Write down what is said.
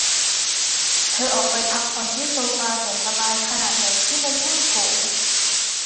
เธอออกไปพ้กผ่อนที่โซฟาแสนสบายขนาดใหญ่ที่มุมห้องโถง